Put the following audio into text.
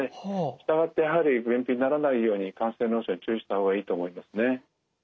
従ってやはり便秘にならないように肝性脳症に注意した方がいいと思いますね。